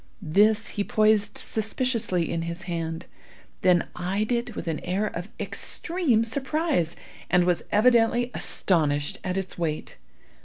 This he poised suspiciously in his hand, then eyed it with an air of extreme surprise, and was evidently astonished at its weight.